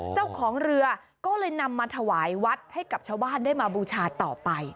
เจ้าของเรือก็เลยนำมาถวายวัดให้กับชาวบ้านได้มาบูชาต่อไป